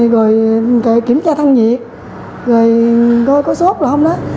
rồi kiểm tra thăng nhiệt rồi coi có sốt là không đó